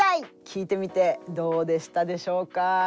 聞いてみてどうでしたでしょうか？